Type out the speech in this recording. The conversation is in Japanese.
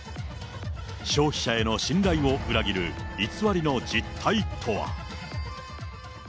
消費者への信頼を裏切る偽りの実態とは。